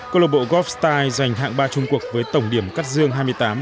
câu lạc bộ golf style giành hạng ba chung cuộc với tổng điểm cắt dương hai mươi tám